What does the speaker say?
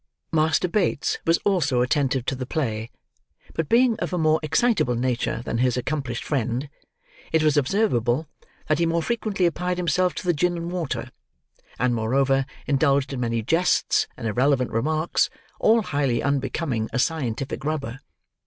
Master Bates was also attentive to the play; but being of a more excitable nature than his accomplished friend, it was observable that he more frequently applied himself to the gin and water, and moreover indulged in many jests and irrelevant remarks, all highly unbecoming a scientific rubber.